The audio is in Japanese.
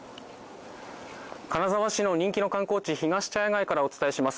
金沢市の人気の観光地、ひがし茶屋街からお伝えします。